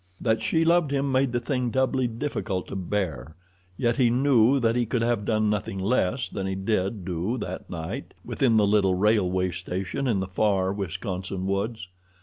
That she loved him made the thing doubly difficult to bear, yet he knew that he could have done nothing less than he did do that night within the little railway station in the far Wisconsin woods.